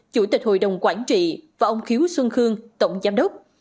chủ tịch hội đồng quản trị và ông khiếu xuân khương tổng giám đốc